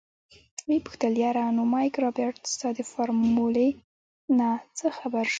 ويې پوښتل يره نو مايک رابرټ ستا د فارمولې نه څه خبر شو.